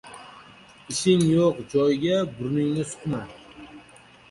• Ishing yo‘q joyga burningni suqma.